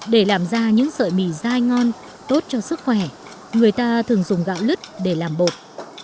để làm ra những sợi mì dai ngon tốt cho sức khỏe người ta thường dùng gạo lứt để làm bột